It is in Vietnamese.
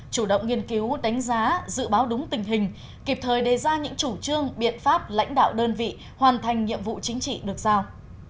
chủ động nghiên cứu đánh giá dự báo đúng tình hình kịp thời đề ra những chủ trương biện pháp lãnh đạo đơn vị hoàn thành nhiệm vụ chính trị được giao